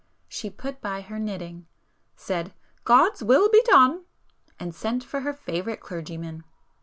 She put by her knitting,—said 'God's will be done!' and sent for her favorite clergyman.